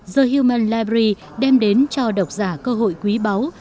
the human library đem đến cho đọc giả cơ hội quý báu